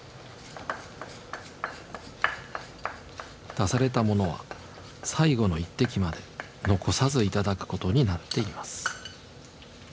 出されたものは最後の一滴まで残さず頂くことになっています。